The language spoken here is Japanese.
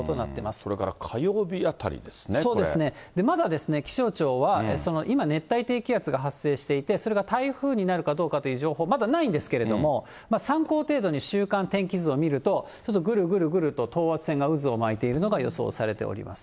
それから火曜日あたりですね、そうですね、まだ気象庁は、今、熱帯低気圧が発生していて、それが台風になるかどうかという情報はまだないんですけれども、参考程度に週間天気図を見ると、ちょっとぐるぐるぐると等圧線が渦を巻いているのが予想されております。